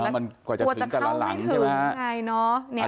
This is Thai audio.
มันกลัวจะเข้าไม่ถึง